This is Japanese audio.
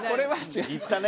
言ったね。